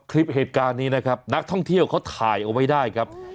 คลิปเหตุการณ์นี้นะครับนักท่องเที่ยวเขาถ่ายเอาไว้ได้ครับ